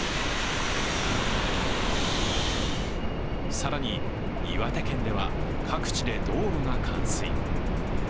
更に岩手県では、各地で道路が冠水。